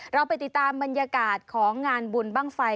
เราไปติดตามบรรยากาศของงานบุญบ้างไฟ